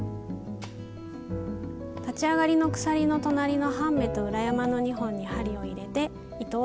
立ち上がりの鎖の隣の半目と裏山の２本に針を入れて糸を引き出します。